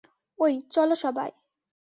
ওই, চল সবাই।